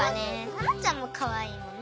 ハナちゃんもかわいいもんね。